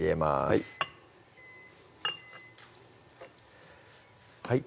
はいはい